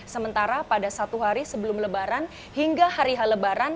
sementara pada satu hari sebelum lebaran hingga hari h lebaran